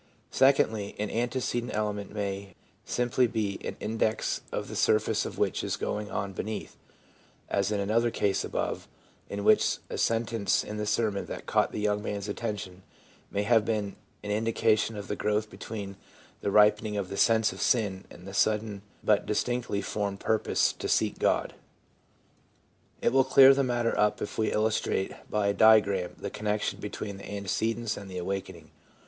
Secondly, an antecedent element may simply be an index on the surface of what is going on beneath, as in another case above, in which a sentence in the sermon that caught the young man's attention may have been but an indication of the growth between the 1 ripening of the sense of sin/ and the sudden but ' dis tinctly formed purpose to seek God.' It will clear the matter up if we illustrate by a diagram the connection between the antecedents and the awakening.